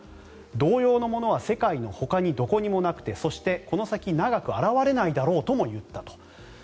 同様のものは世界のほかにどこにもなくてそして、この先長く現れないだろうとも言ったと。